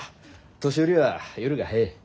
年寄りは夜が早い。